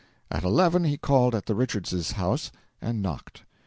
At eleven he called at the Richards' house and knocked.